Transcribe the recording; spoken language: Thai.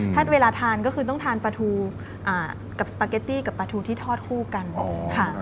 ถ้าเวลาทานก็คือต้องทานปลาทูกับสปาเกตตี้กับปลาทูที่ทอดคู่กันค่ะ